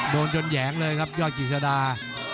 โดนจนแหยงเลยครับยอดกิจสดา